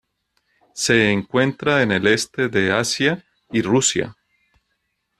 Se encuentra en el Este de Asia y Rusia.